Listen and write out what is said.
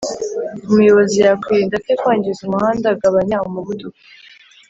umuyobozi yakwirinda ate kwangiza umuhanda ,gabanya umuvuduko